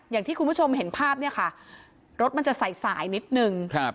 อย่างที่คุณผู้ชมเห็นภาพเนี่ยค่ะรถมันจะใส่สายนิดนึงครับ